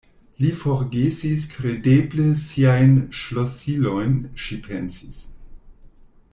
Li forgesis kredeble siajn ŝlosilojn, ŝi pensis.